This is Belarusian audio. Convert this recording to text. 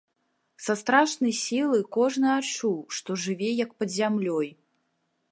Са страшнай сілай кожны адчуў, што жыве як пад зямлёй.